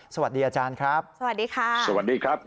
สวัสดีอาจารย์ครับสวัสดีค่ะสวัสดีครับ